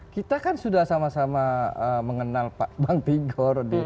kita kan sudah sama sama mengenal pak bang tigor